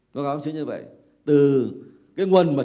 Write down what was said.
từ cái nguồn mà chúng ta xin bảo chúng ta có rất là nhiều nguồn